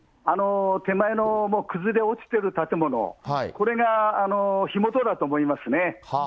手前の崩れ落ちてる建物、これが火元だと思いますね。